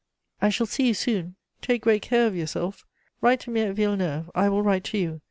I shall see you soon! Take great care of yourself! Write to me at Villeneuve. I will write to you.